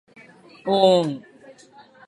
おーん